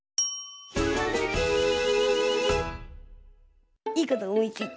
「ひらめき」いいことおもいついた。